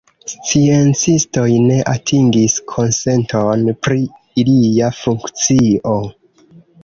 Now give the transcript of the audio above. Sciencistoj ne atingis konsenton pri ilia funkcio.